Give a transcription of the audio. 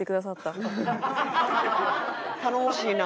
頼もしいな。